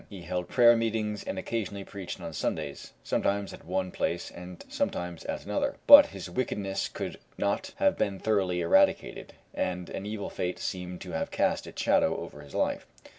He held prayer meetings and occasionally preached on Sundays, sometimes at one place and sometimes at another; but his wickedness could not have been thoroughly eradicated, and an evil fate seemed to have cast its shadow over his life.